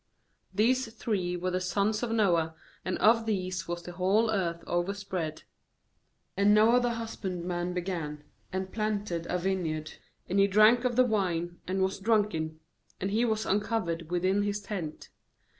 "These three were the sons of Noah, and of these was the whole earth overspread. 20And Noah the husbandman be gan, and planted a vineyard. ^And he drank of the wine, and was drunken; and he was uncovered within his tent.